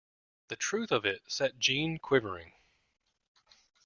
The truth of it set Jeanne quivering.